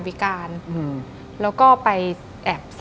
ดิงกระพวน